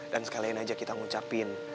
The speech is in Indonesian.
dan sekalian aja kita ngucapin